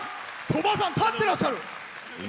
鳥羽さん、立っていらっしゃる。